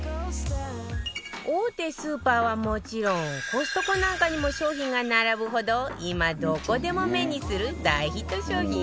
大手スーパーはもちろんコストコなんかにも商品が並ぶほど今どこでも目にする大ヒット商品よ